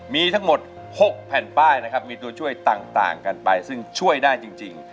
มีทั้งหมด๖แผ่นป้ายนะครับมีตัวช่วยต่างกันไปซึ่งช่วยได้จริง